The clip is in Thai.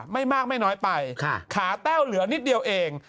ไม่มากไม่น้อยไปขาแต้วเหลือนิดเดียวเอง